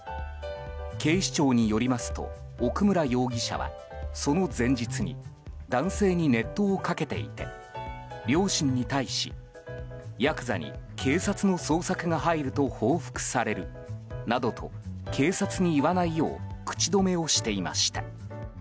警視庁によりますと奥村容疑者はその前日に男性に熱湯をかけていて両親に対しヤクザに、警察の捜索が入ると報復されるなどと警察に言わないよう口止めをしていました。